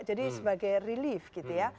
jadi sebagai relief gitu ya